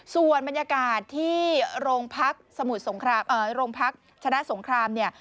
ส่วนบรรยากาศที่โรงพักษณ์ชนะสงคราม